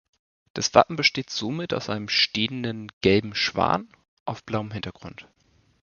Das Wappen besteht somit aus einen stehenden, gelben Schwan auf blauem Hintergrund.